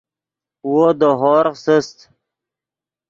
وو دے ہورغ سست